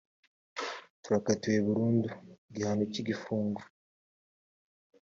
utarakatiwe burundu igihano cy igifungo